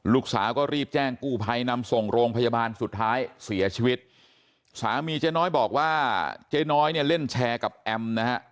ลูกสาวก็รีบแจ้งกู้ภัยนำส่งโรงพยาบาลสุดท้ายเสียชีวิตสามีเจ๊น้อยบอกว่าเจ๊น้อยเนี่ยเล่นแชร์กับแอมนะฮะ